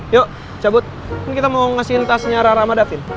yuk cabut kita mau ngasihin tasnya rara sama davin